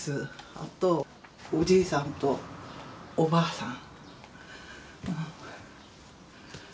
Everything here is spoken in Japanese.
あとおじいさんとおばあさん。